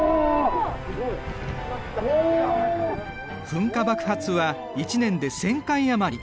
噴火爆発は１年で１０００回余り。